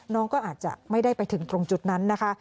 น้องก็อาจจะไม่ได้ไปถึงตรงจุดนั้นนะคะ